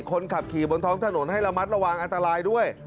คนขับขี่บนท้องถนนให้ระมัดระวังอันตรายด้วย